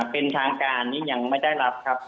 เป็นทางการนี้ยังไม่ได้รับครับ